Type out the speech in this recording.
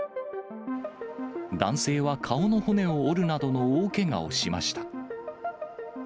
男性は顔の骨を折るなどの大けがをしました。